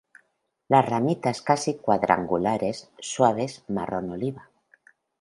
Las ramitas casi cuadrangulares, suaves, marrón oliva.